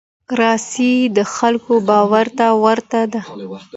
رسۍ د خلکو باور ته ورته ده.